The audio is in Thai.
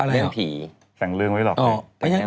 อะไรเหรอเป็นผีแสงเรื่องไว้หรอก